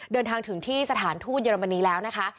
เดินทางถึงที่สถานทูตเยอรมนีแล้วนะคะ